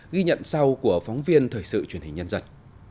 ghi nhận sau của phóng viên thời sự truyền hình nhân dân